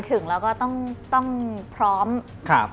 สุดท้าย